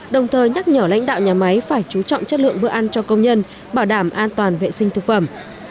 đồng thời nhắc nhở lãnh đạo nhà máy phải chú trọng chất lượng bữa ăn cho công nhân bảo đảm an toàn vệ sinh thực phẩm